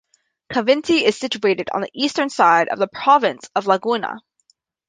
Cavinti is situated on the eastern side of the province of Laguna.